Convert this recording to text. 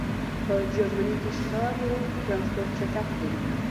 په جرمنی کی ښکاری ټرانسپورټ چټک دی